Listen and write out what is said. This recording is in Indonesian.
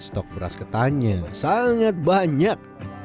stok beras ketannya sangat banyak